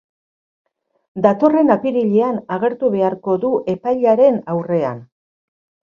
Datorren apirilean agertu beharko du epailearen aurrean.